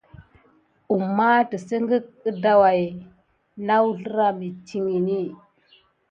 Kuma tisine gəda waya ho na wuzlera metikine diy kisok kegayata vi nadesiti.